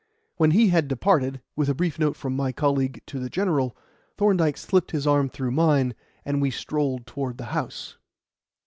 When he had departed with a brief note from my colleague to the General Thorndyke slipped his arm through mine, and we strolled towards the house.